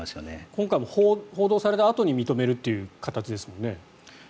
今回も報道されたあとに認めるという形ですもんね。